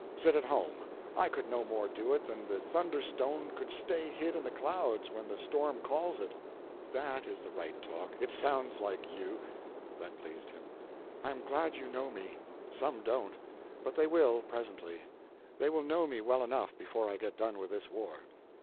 "Sit at home! I could no more do it than the thunderstone could stay hid in the clouds when the storm calls it." "That is the right talk. It sounds like you." That pleased him. "I'm glad you know me. Some don't. But they will, presently. They will know me well enough before I get done with this war."